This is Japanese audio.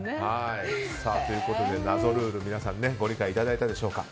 謎ルール、皆さんご理解いただいたでしょうか。